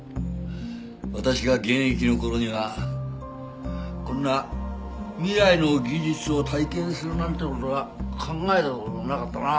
私が現役の頃にはこんな未来の技術を体験するなんて事は考えた事もなかったな。